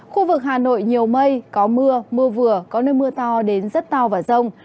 khu vực hà nội nhiều mây có mưa mưa vừa có nơi mưa to đến rất to và rông